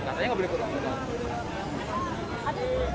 ternyata nggak boleh kerumunan